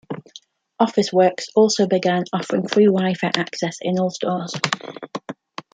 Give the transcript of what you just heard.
Officeworks also began offering free Wi-Fi access in all stores.